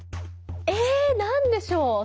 え何でしょう？